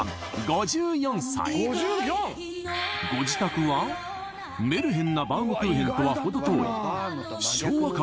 ５４歳ご自宅はメルヘンなバウムクーヘンとは程遠い昭和感